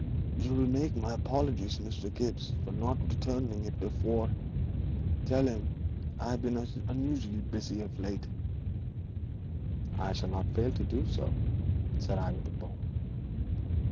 'You will make my apologies to Mr. Gibbes for not returning it before. Tell him I have been unusually busy of late.' 'I shall not fail to do so,' said I, with a bow.